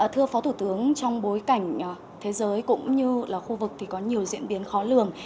thưa phó thủ tướng trong bối cảnh thế giới cũng như là khu vực thì có nhiều diễn biến khó lường